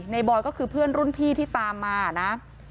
บอยก็คือเพื่อนรุ่นพี่ที่ตามมานะ